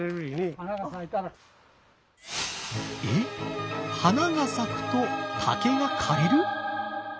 花が咲くと竹が枯れる？